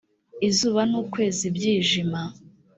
izuba n ukwezi byijima